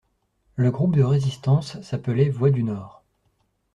Le groupe de résistance s'appelait Voix du Nord.